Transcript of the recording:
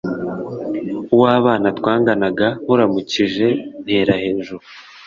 Uw’abana twanganaga nkuramukije ntera hejuru